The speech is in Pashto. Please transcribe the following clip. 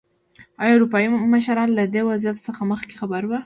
ایا اروپايي مشران له دې وضعیت څخه مخکې خبر وو.